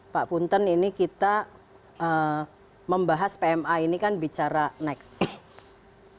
pak punten ini kita membahas pma ini kan bicara next